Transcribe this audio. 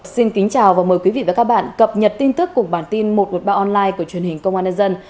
xin kính chào và mời quý vị và các bạn cập nhật tin tức của bản tin một trăm một mươi ba online của truyền hình công an nhân dân